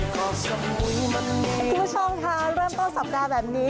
คุณผู้ชมค่ะเริ่มต้นสัปดาห์แบบนี้